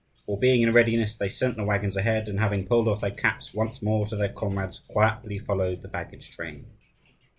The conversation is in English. All being in readiness, they sent the waggons ahead, and having pulled off their caps once more to their comrades, quietly followed the baggage train.